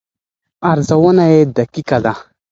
ارزونه یې دقیقه ده.